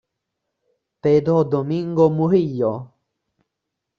Pedro Domingo Murillo